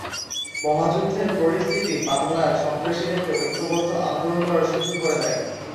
মহাযুদ্ধের পরিস্থিতি বাংলার সন্ত্রাসীদেরকে ঐক্যবদ্ধ আন্দোলন করার সুযোগ করে দেয়।